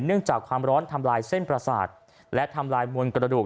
จากความร้อนทำลายเส้นประสาทและทำลายมวลกระดูก